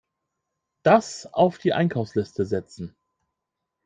Das auf die Einkaufsliste setzen.